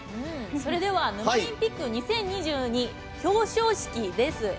それでは「ヌマリンピック２０２２」の表彰式です。